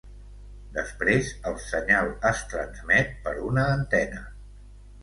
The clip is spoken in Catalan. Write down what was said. Després el senyal es transmet per una antena.